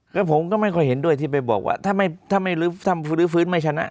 ก็ผมก็ไม่ค่อยเห็นด้วยที่ไปบอกว่าถ้าไม่ทำฟื้นไม่ชนะ